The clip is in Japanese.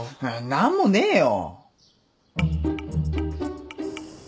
何もねえよ。